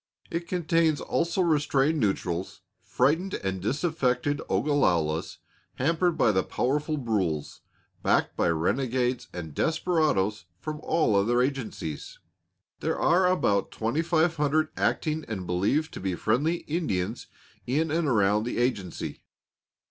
It contains also restrained neutrals, frightened and disaffected Ogalallas, hampered by the powerful Brules, backed by renegades and desperadoes from all other agencies. There are about twenty five hundred acting and believed to be friendly Indians in and around the agency.